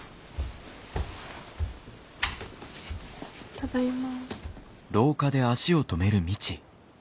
ただいま。